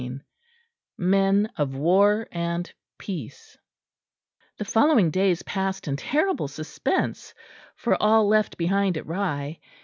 CHAPTER II MEN OF WAR AND PEACE The following days passed in terrible suspense for all left behind at Rye.